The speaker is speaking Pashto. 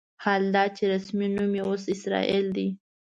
حال دا چې رسمي نوم یې اوس اسرائیل دی.